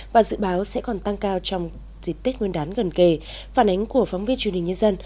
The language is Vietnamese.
và dự báo sẽ còn tăng cao trong dịp tết nguyên đán gần kề phản ánh của phóng viên truyền hình nhân dân